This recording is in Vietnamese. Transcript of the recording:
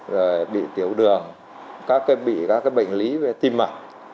rồi bị tiểu đường các cái bị các cái bệnh lý về tim mặt